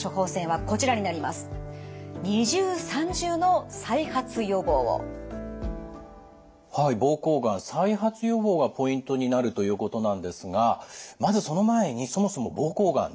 はい膀胱がん再発予防がポイントになるということなんですがまずその前にそもそも膀胱がん